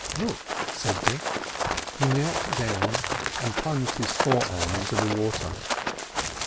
"Look!" said Dick. He knelt down and plunged his forearm into the water.